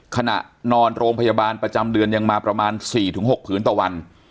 ขณะนอนโรงพยาบาลประจำเดือนยังมาประมาณ๔๖ผืนต่อวัน